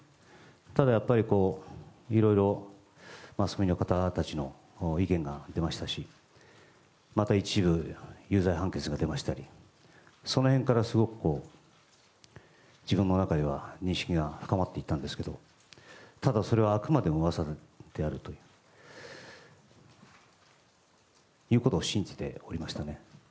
ただ、いろいろマスメディアの方たちの意見が出ましたしまた、一部有罪判決が出たりその辺からすごく自分の中では認識が深まっていったんですけどただ、それはあくまでも噂であると信じておりましたね。